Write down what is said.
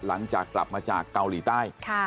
หลังจากกลับมาจากเกาหลีใต้